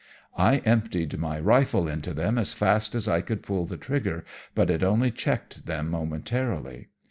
"I emptied my rifle into them as fast as I could pull the trigger, but it only checked them momentarily.